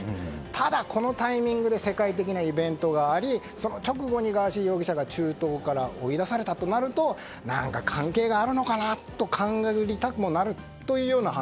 ただ、このタイミングで世界的なイベントがありその直後にガーシー容疑者が中東から追い出されたとなると何か関係があるのかなと勘ぐりたくもなるというような話。